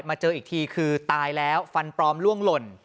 เจออีกทีคือตายแล้วฟันปลอมล่วงหล่น